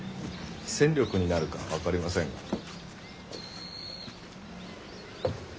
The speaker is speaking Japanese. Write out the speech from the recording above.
戦力になるか分かりませんが。